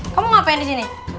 kamu ngapain di sini